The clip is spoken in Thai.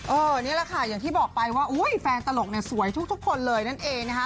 นี่แหละค่ะอย่างที่บอกไปว่าอุ้ยแฟนตลกเนี่ยสวยทุกคนเลยนั่นเองนะคะ